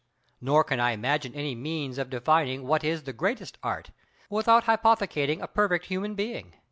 Nor can I imagine any means of defining what is the greatest Art, without hypothecating a perfect human being.